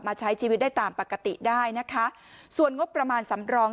ใช้ชีวิตได้ตามปกติได้นะคะส่วนงบประมาณสำรอง